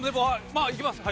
まあいきます。